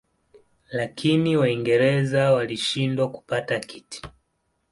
Lakini Waingereza walishindwa kupata kiti.